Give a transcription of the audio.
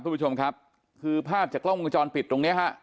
คุณผู้ชมครับคือภาพจากกล้องวงจรปิดตรงเนี้ยฮะ